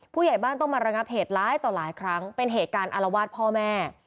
ผู้ใหญ่บ้านต้องมาระงับเหตุร้ายต่อหลายครั้งเป็นเหตุการณ์อารวาสพ่อแม่